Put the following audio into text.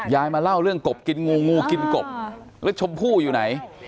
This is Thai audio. มาเล่าเรื่องกบกินงูงูกินกบแล้วชมพู่อยู่ไหน